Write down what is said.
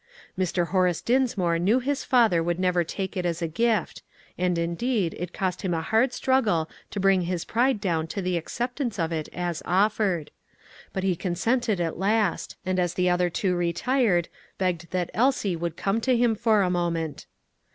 Mr. Horace Dinsmore knew his father would never take it as a gift, and indeed, it cost him a hard struggle to bring his pride down to the acceptance of it as offered. But he consented at last, and as the other two retired, begged that Elsie would come to him for a moment.